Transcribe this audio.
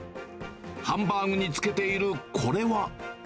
ハンバーグにつけているこれは。